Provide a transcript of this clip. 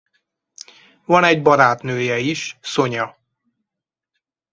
Van egy barátnője is Sonja.